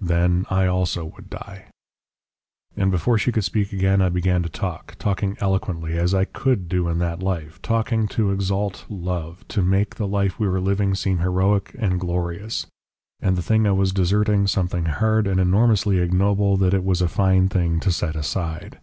"'Then I also would die.' "And before she could speak again I began to talk, talking eloquently as I COULD do in that life talking to exalt love, to make the life we were living seem heroic and glorious; and the thing I was deserting something hard and enormously ignoble that it was a fine thing to set aside.